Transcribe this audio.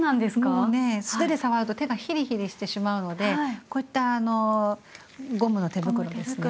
もうね素手で触ると手がひりひりしてしまうのでこういったゴムの手袋ですね。